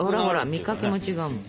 見かけも違うもん。